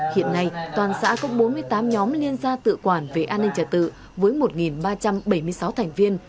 hiện nay toàn xã có bốn mươi tám nhóm liên gia tự quản về an ninh trả tự với một ba trăm bảy mươi sáu thành viên